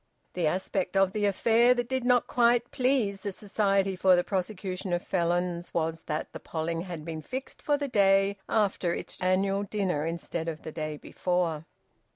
The aspect of the affair that did not quite please the Society for the Prosecution of Felons was that the polling had been fixed for the day after its annual dinner instead of the day before.